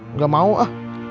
nggak mau ah